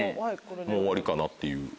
もう終わりかなっていう。